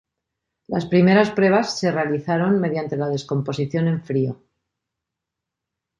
Las primeras pruebas se realizaron mediante la descomposición en frío.